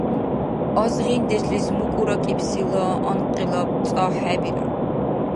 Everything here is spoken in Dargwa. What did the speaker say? Азгъиндешлис мукӀуракӀибсила анкъилаб цӀа хӀебирар.